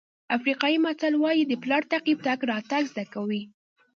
افریقایي متل وایي د پلار تعقیب تګ راتګ زده کوي.